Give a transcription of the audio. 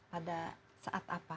pada saat apa